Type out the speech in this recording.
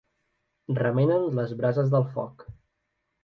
Remenen les brases del foc.